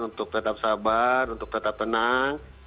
untuk tetap sabar untuk tetap tenang